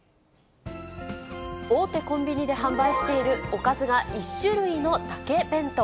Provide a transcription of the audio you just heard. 大手コンビニで販売している、おかずが１種類のだけ弁当。